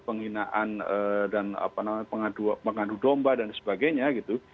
penghinaan dan pengadu domba dan sebagainya gitu